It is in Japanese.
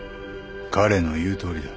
彼の言うとおりだ。